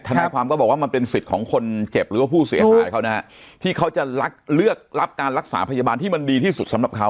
นายความก็บอกว่ามันเป็นสิทธิ์ของคนเจ็บหรือว่าผู้เสียหายเขานะฮะที่เขาจะเลือกรับการรักษาพยาบาลที่มันดีที่สุดสำหรับเขา